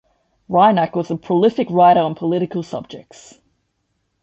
Reinach was a prolific writer on political subjects.